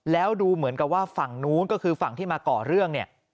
แล้วดูเหมือนกับว่าฝั่งนู้นก็คือฝั่งที่มาก่อเรื่องเนี่ย